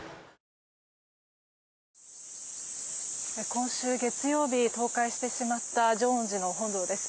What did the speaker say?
今週月曜日倒壊してしまった浄恩寺の本堂です。